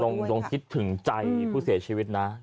แต่คุณผู้ชมลงคิดถึงใจผู้เสียชีวิตนะ